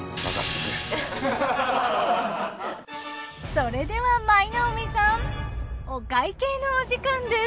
それでは舞の海さんお会計のお時間です。